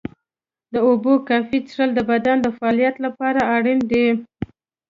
د اوبو کافي څښل د بدن د فعالیت لپاره اړین دي.